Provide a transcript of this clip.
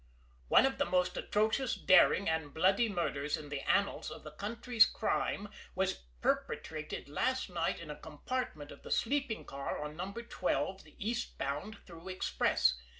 One of the most atrocious, daring and bloody murders in the annals of the country's crime was perpetrated last night in a compartment of the sleeping car on No. 12, the eastbound through express.